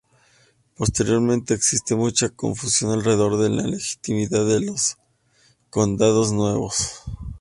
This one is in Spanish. Posteriormente, existe mucha confusión alrededor de la legitimidad de los condados nuevos.